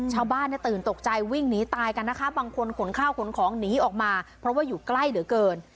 ชาวบ้านเนี่ยตื่นตกใจวิ่งหนีตายกันนะคะบางคนขนข้าวขนของหนีออกมาเพราะว่าอยู่ใกล้เหลือเกิน